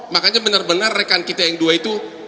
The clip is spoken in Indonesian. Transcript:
makanya benar benar rekan kita yang dua itu